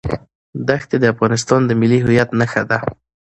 دښتې د افغانستان د ملي هویت نښه ده.